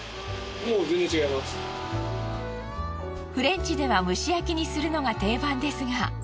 フレンチでは蒸し焼きにするのが定番ですが。